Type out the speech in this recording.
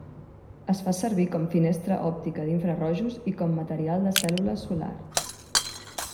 Es fa servir com finestra òptica d'infrarojos i com material de cèl·lula solar.